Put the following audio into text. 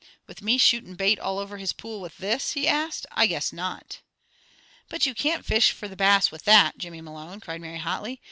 "With me shootin' bait all over his pool with this?" he asked. "I guess not!" "But you can't fish for the Bass with that, Jimmy Malone," cried Mary hotly.